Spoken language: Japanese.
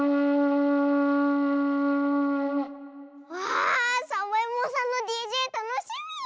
わあサボえもんさんのＤＪたのしみ。